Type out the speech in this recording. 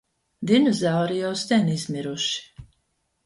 Dinozauri jau sen izmiruši